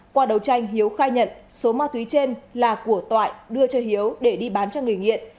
qua đầu tranh hiếu khai nhận số ma túy trên là của toại đưa cho hiếu để đi bán cho người nghiện